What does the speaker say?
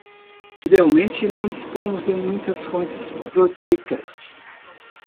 Idealmente, não dispomos de muitas fontes proteicas